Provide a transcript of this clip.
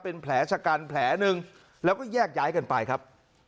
เป็นแผลชะกันแผลหนึ่งแล้วก็แยกย้ายกันไปครับ